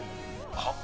はっ？